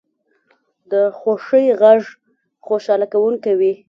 د خوښۍ غږ خوشحاله کوونکی وي